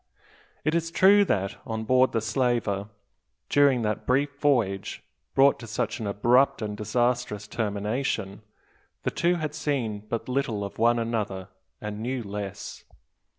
It is true that, on board the slaver, during that brief voyage, brought to such an abrupt and disastrous termination, the two had seen but little of one another, and knew less.